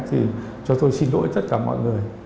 thì cho tôi xin lỗi tất cả mọi người